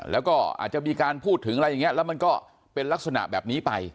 แล้วก็อาจจะมีการพูดถึงอะไรอย่างนี้แล้วมันก็เป็นลักษณะแบบนี้ไป